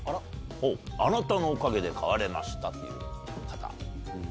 「あなたのおかげで変われました」という方。